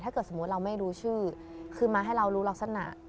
ถ้าเกิดสมมติเราไม่รู้ชื่อคือมาให้เรารู้ลักษณะ